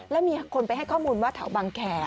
แล้วมีคนไปให้ข้อมูลว่าแถวบางแคร์